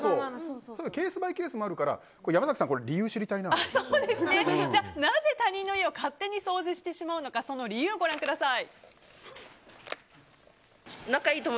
ケースバイケースもあるからなぜ他人の家を勝手に掃除してしまうのかその理由をご覧ください。